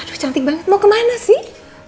aduh cantik banget mau kemana sih